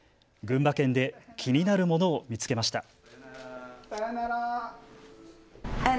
群馬県で気になるものを見つけました。